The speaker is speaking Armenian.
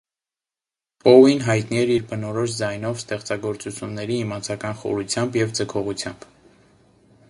Պոուին յայտնի էր իր բնորոշ ձայնով, ստեղծագործութիւններու իմացական խորութեամբ եւ ձգողութեամբ։